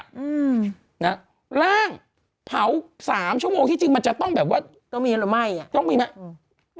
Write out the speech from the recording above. อืมนะฮะร่างเผาสามชั่วโมงที่จริงมันจะต้องแบบว่าต้องมีหรือไม่อ่ะต้องมีไหมอืม